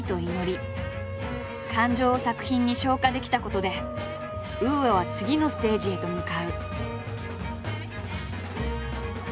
感情を作品に昇華できたことでＵＡは次のステージへと向かう。